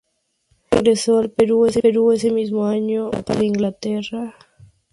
Regresó al Perú ese mismo año para integrarse a los juveniles del Sport Boys.